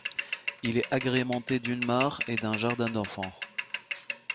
Il est agrémenté d'une mare et d'un jardin d'enfants.